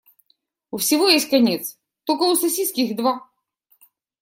У всего есть конец, только у сосиски их два.